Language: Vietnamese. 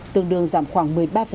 tương đương giảm khoảng một mươi ba